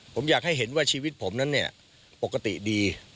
ผมอยากให้เห็นว่าชีวิตผมนั้นเนี่ยปกติดี